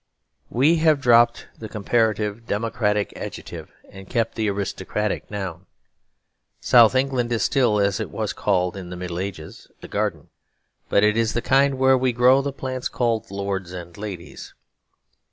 We have dropped the comparatively democratic adjective, and kept the aristocratic noun. South England is still, as it was called in the Middle Ages, a garden; but it is the kind where grow the plants called "lords and ladies."